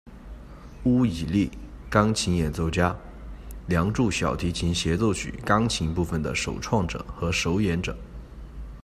巫漪丽，钢琴演奏家，《梁祝小提琴协奏曲》钢琴部分的首创者和首演者。